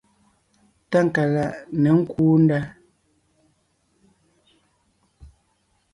Tákaláʼ ně kúu ndá.